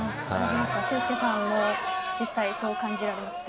俊輔さんも実際そう感じられました。